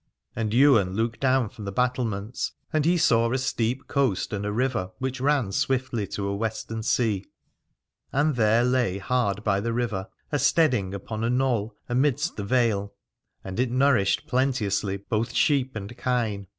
And Ywain looked down from the battlements, and he saw a steep coast and a river which ran swiftly to a western sea. And there lay hard by the river a steading upon a knole amidst the vale, and it nourished plenteously both sheep and kine.